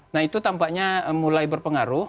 nah itu tampaknya mulai berpengaruh